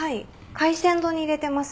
海鮮丼に入れてます